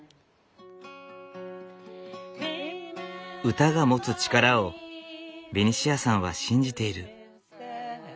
歌が持つ力をベニシアさんは信じている。